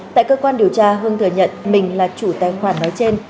tại cơ quan điều tra hưng thừa nhận mình là chủ tài khoản nói trên